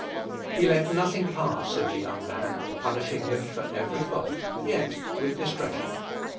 He let nothing pass in the young man, punishing him for every fault, yet with discretion.